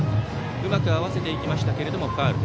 うまく合わせていきましたがファウル。